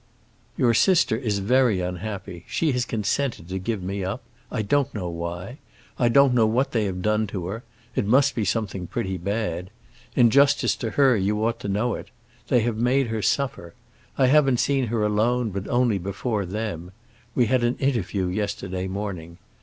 "Your sister is very unhappy; she has consented to give me up. I don't know why. I don't know what they have done to her; it must be something pretty bad. In justice to her you ought to know it. They have made her suffer. I haven't seen her alone, but only before them! We had an interview yesterday morning.